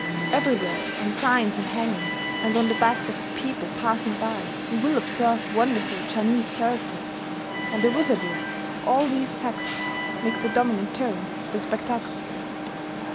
Everywhere on signs and hangings, and on the backs of people passing by, you will observe wonderful Chinese characters; and the wizardry of all these texts makes the dominant tone of the spectacle.